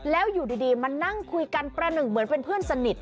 แล้วอยู่ดีมานั่งคุยกันประหนึ่งเหมือนเป็นเพื่อนสนิท